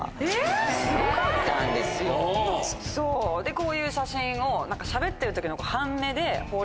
こういう写真をしゃべってる時の。